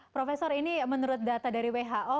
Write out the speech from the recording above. profesor ini menurut data dari who